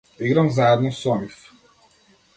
Играм заедно со нив.